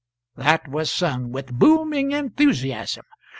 That was sung, with booming enthusiasm.